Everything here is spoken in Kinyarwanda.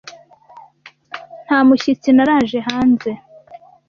Nta mushyitsi naraje hanze